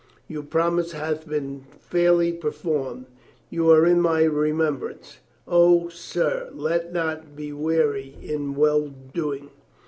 Your promise hath been fairly performed. You are in my remembrance. O, sir, let's not be weary in well doing.